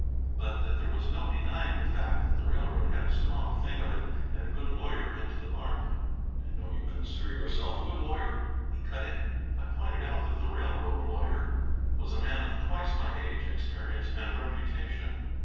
But that there was no denying the fact that the railroad had a strong thing of it, and a good lawyer into the bargain. "And don't you consider yourself a good lawyer?" he cut in. I pointed out that the railroad lawyer was a man of twice my age, experience, and reputation.